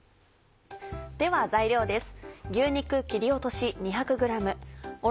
では材料です。